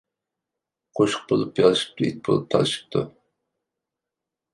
قوشۇق بولۇپ يالىشىپتۇ، ئىت بولۇپ تالىشىپتۇ.